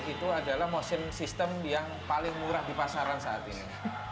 itu adalah musim sistem yang paling murah di pasaran saat ini